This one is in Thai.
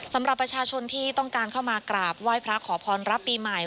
สำหรับประชาชนที่ต้องการเข้ามากราบไหว้พระขอพรรับปีใหม่